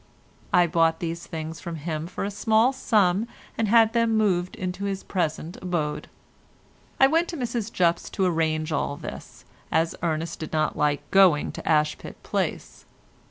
I bought these things of him for a small sum and had them moved into his present abode. I went to Mrs Jupp's to arrange all this, as Ernest did not like going to Ashpit Place.